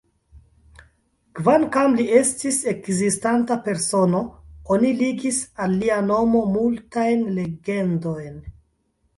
Kvankam li estis ekzistanta persono, oni ligis al lia nomo multajn legendojn.